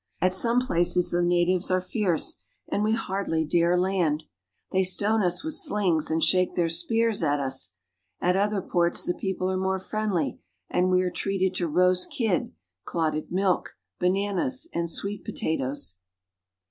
At some places the natives are fierce, and we hardly dare land. They stone us with slings, and shake their spears at us. At other ports the people are more friendly, and we are treated to roast kid, clotted milk, bananas, and sweet potatoes.